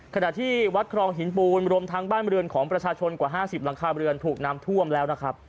ขณะที่วัดครองหินปูรมรมทางบ้านบริเวณของประชาชนกว่า๕๐หลังคาบริเวณถูกนำท่วมแล้ว